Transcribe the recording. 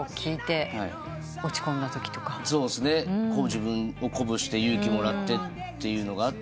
自分を鼓舞して勇気もらってというのがあって。